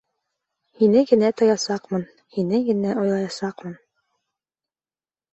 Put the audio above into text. Һине генә тоясаҡмын, һине генә уйлаясаҡмын.